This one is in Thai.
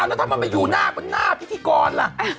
เอาแล้วทำไมไม่อยู่หน้าพิธีกรล่ะ